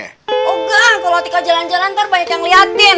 oh nggak kalau atika jalan jalan ntar banyak yang ngeliatin